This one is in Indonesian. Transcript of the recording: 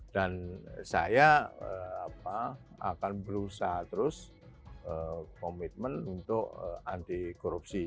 dan saya akan berusaha terus komitmen untuk anti korupsi